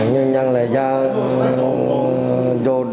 để nâng brain